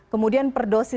kemudian per dosis